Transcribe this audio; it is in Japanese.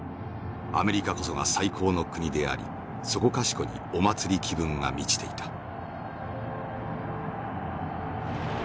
アメリカこそが最高の国でありそこかしこにお祭り気分が満ちていた」。